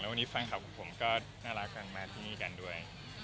วันนี้แฟนคลับของผมก็น่ารักกันมาที่นี่กันด้วย